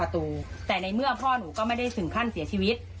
แต่ในเมื่อพ่อหนูก็ไม่ได้ถึงขั้นเสียชีวิต